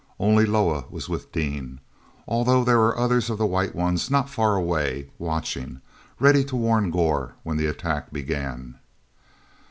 Only Loah was with Dean, although there were others of the White Ones not far away, watching, ready to warn Gor when the attack began.